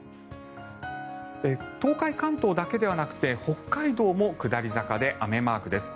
東海・関東だけではなくて北海道も下り坂で雨マークです。